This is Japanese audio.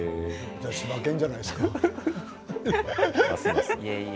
しば犬じゃないですか。